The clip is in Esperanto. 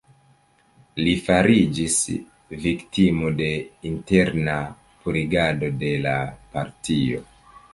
Li fariĝis viktimo de interna 'purigado' de la partio.